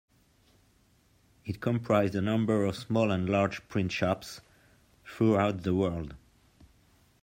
It comprised a number of small and large print shops throughout the world.